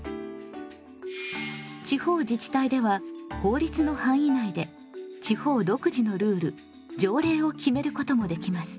地方自治体では法律の範囲内で地方独自のルール条例を決めることもできます。